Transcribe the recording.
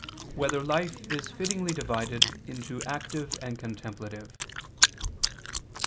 1] Whether Life Is Fittingly Divided into Active and Contemplative?